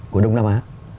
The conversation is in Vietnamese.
của đông nam á